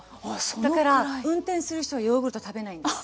だから運転する人はヨーグルト食べないんです。